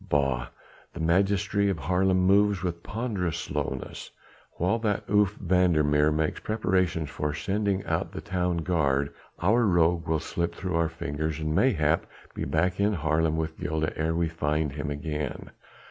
"Bah! the magistracy of Haarlem moves with ponderous slowness. While that oaf, Van der Meer, makes preparations for sending out the town guard, our rogue will slip through our fingers, and mayhap be back in Haarlem with Gilda ere we find him again."